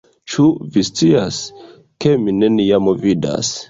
Ĉu vi scias, ke mi neniam vidas